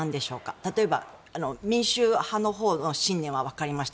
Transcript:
例えば民主派のほうの信念は分かりました。